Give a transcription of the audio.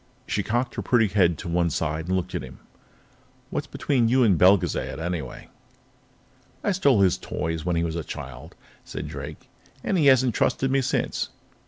She cocked her pretty head to one side and looked at him. "What's between you and Belgezad, anyway?" "I stole his toys when he was a child," said Drake, "and he hasn't trusted me since.